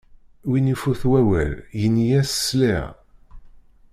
Win ifut wawal, yini-as: sliɣ!